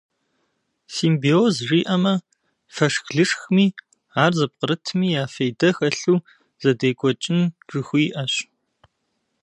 Симбиоз жиӏэмэ, фэшх-лышхми ар зыпкърытми я фейдэ хэлъу зэдекӏуэкӏын жыхуиӏэщ.